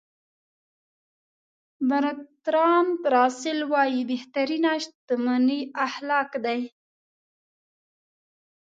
برتراند راسل وایي بهترینه شتمني اخلاق دي.